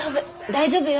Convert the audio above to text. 大丈夫よ。